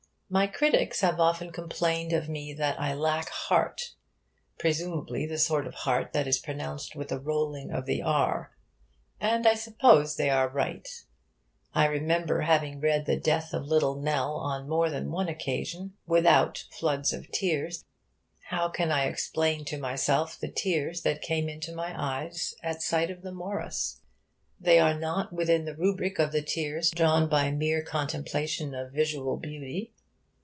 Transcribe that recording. My critics have often complained of me that I lack 'heart' presumably the sort of heart that is pronounced with a rolling of the r; and I suppose they are right. I remember having read the death of Little Nell on more than one occasion without floods of tears. How can I explain to myself the tears that came into my eyes at sight of the Morris? They are not within the rubric of the tears drawn by mere contemplation of visual beauty.